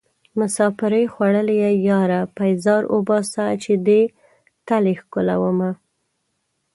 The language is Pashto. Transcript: مسافرۍ خوړليه ياره پيزار اوباسه چې دې تلې ښکلومه